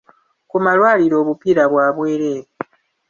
Ku malwaliro, obupiira bwa bwereere.